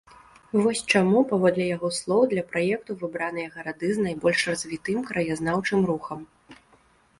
Вось чаму, паводле яго слоў, для праекту выбраныя гарады з найбольш развітым краязнаўчым рухам.